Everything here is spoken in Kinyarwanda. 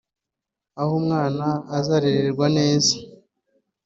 Aho umwana azarererwa neza